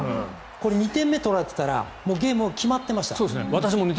これ、２点目を取られていたらゲームが決まっていました。